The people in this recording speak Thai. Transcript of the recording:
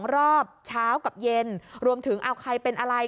รอบเช้ากับเย็นรวมถึงเอาใครเป็นอะไร